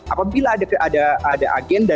apabila ada agenda